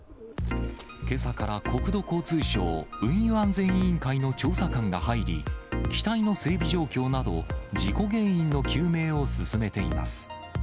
けさから国土交通省運輸安全委員会の調査官が入り、機体の整備状況など、事故原因の究明を進めています。